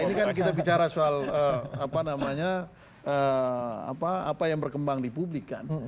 ini kan kita bicara soal apa namanya apa yang berkembang di publik kan